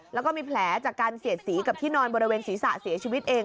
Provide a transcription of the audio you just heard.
แล้วก็มีแผลจากการเสียดสีกับที่นอนบริเวณศีรษะเสียชีวิตเอง